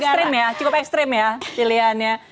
kemarin ya cukup ekstrim ya pilihannya